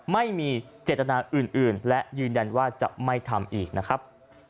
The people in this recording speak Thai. ไม่มีเจตนาอื่นและยืนยันว่าจะไม่ทำอีกนะครับ